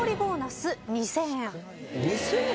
２，０００円？